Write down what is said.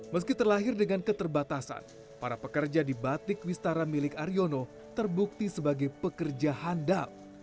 meski terlahir dengan keterbatasan para pekerja di batik wistara milik aryono terbukti sebagai pekerja handal